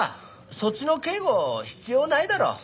そっちの警護必要ないだろ。